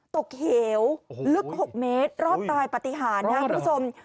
ตกเหี่ยวลึก๖เมตรรอดตายปฏิหารคุณผู้ชม